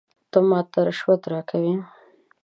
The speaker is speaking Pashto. ته ماته رشوت راکوې ؟